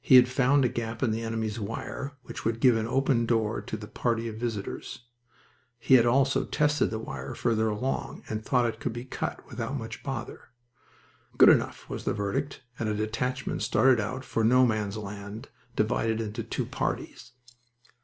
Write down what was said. He had found a gap in the enemy's wire which would give an open door to the party of visitors. He had also tested the wire farther along, and thought it could be cut without much bother. "Good enough!" was the verdict, and a detachment started out for No Man's Land, divided into two parties.